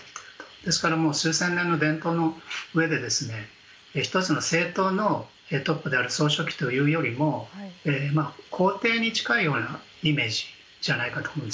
ですから数千年の伝統の上で１つの政党のトップである総書記というよりも皇帝に近いようなイメージじゃないかと。